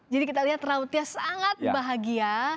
jadi kita lihat rautnya sangat bahagia